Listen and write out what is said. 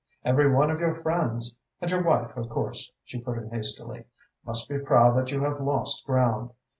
Every one of your friends and your wife, of course," she put in hastily, "must be proud that you have lost ground.